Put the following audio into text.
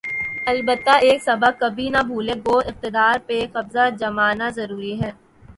البتہ ایک سبق کبھی نہ بھولے‘ گو اقتدار پہ قبضہ جمانا ضروری ہے۔